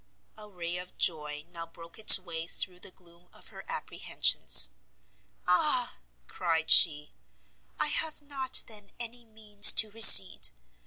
A ray of joy now broke its way through the gloom of her apprehensions. "Ah!" cried she, "I have not, then, any means to recede!